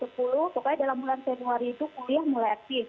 pokoknya dalam bulan februari itu kuliah mulai aktif